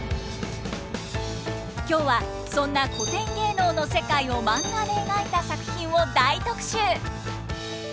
今日はそんな古典芸能の世界をマンガで描いた作品を大特集！